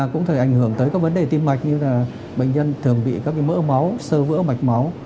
cái vấn đề tim mạch như là bệnh nhân thường bị các cái mỡ máu sơ vỡ mạch máu